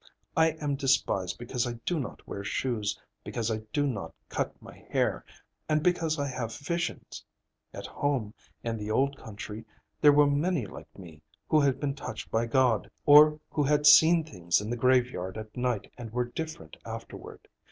I am despised because I do not wear shoes, because I do not cut my hair, and because I have visions. At home, in the old country, there were many like me, who had been touched by God, or who had seen things in the graveyard at night and were different afterward.